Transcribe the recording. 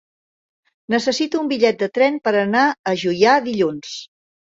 Necessito un bitllet de tren per anar a Juià dilluns.